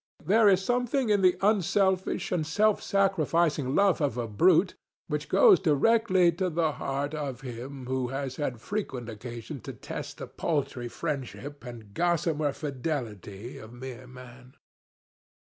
There is something in the unselfish and self sacrificing love of a brute, which goes directly to the heart of him who has had frequent occasion to test the paltry friendship and gossamer fidelity of mere Man.